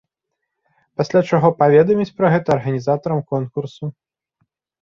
Пасля чаго паведаміць пра гэта арганізатарам конкурсу.